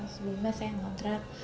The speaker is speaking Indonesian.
sebelumnya saya ngontrak